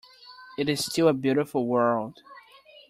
It is still a beautiful world.